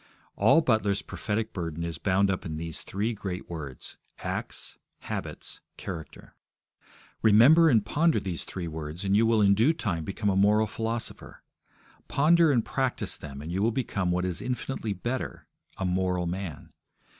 All Butler's prophetic burden is bound up in these three great words acts, habits, character. Remember and ponder these three words, and you will in due time become a moral philosopher. Ponder and practise them, and you will become what is infinitely better a moral man.